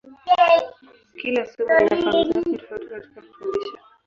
Kila somo lina fahamu zake tofauti katika kufundisha.